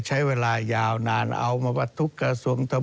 ใช้เวลายาวนานเอามาขวัดทุกกระทรวงเสร็จ